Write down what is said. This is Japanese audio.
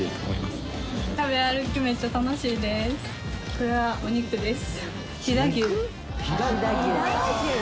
これはお肉です。